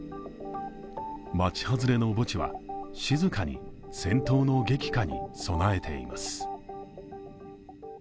町外れの墓地は静かに戦闘の激化に備えています。